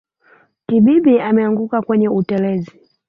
Kibibi ameanguka kwenye utelezi